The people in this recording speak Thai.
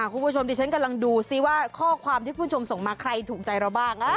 คุณผู้ชมดิฉันกำลังดูซิว่าข้อความที่คุณผู้ชมส่งมาใครถูกใจเราบ้าง